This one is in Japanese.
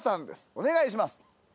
お願いします。